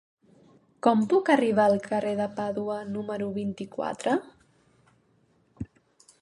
Com puc arribar al carrer de Pàdua número vint-i-quatre?